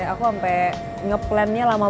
aku sampe ngeplannya lama